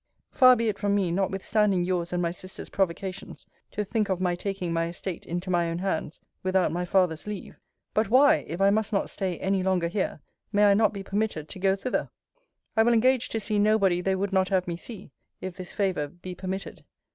Far be it from me, notwithstanding yours and my sister's provocations, to think of my taking my estate into my own hands, without my father's leave: But why, if I must not stay any longer here, may I not be permitted to go thither? I will engage to see nobody they would not have me see, if this favour be permitted.